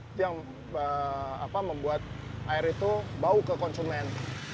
itu yang membuat air itu bau ke konsumen